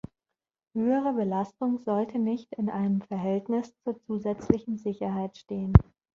Höhere Belastung sollte nicht in einem Verhältnis zur zusätzlichen Sicherheit stehen.